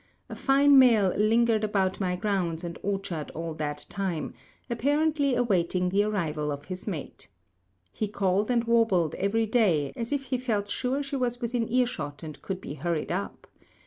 A fine male lingered about my grounds and orchard all that time, apparently awaiting the arrival of his mate. He called and warbled every day, as if he felt sure she was within earshot and could be hurried up.